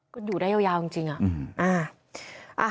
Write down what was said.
ก็อยู่ได้ยาวจริงอะ